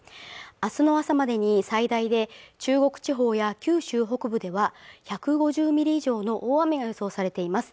明日の朝までに最大で中国地方や九州北部では１５０ミリ以上の大雨が予想されています